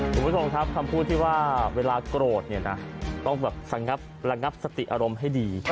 คุณผู้ชมครับคำพูดที่ว่าเวลาโกรธเนี่ยนะต้องแบบระงับสติอารมณ์ให้ดี